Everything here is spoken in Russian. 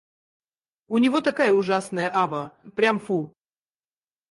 У него такая ужасная ава, прям фу!